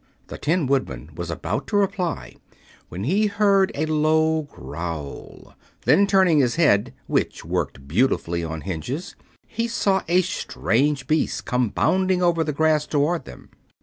The Tin Woodman was about to reply when he heard a low growl, and turning his head (which worked beautifully on hinges) he saw a strange beast come bounding over the grass toward them.